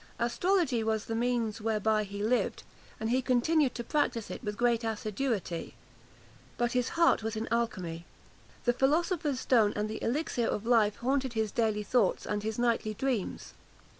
Astrology was the means whereby he lived, and he continued to practise it with great assiduity; but his heart was in alchymy. The philosopher's stone and the elixir of life haunted his daily thoughts and his nightly dreams.